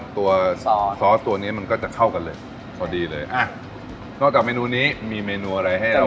ซอสตัวนี้มันก็จะเข้ากันเลยพอดีเลยอ่ะนอกจากเมนูนี้มีเมนูอะไรให้เรา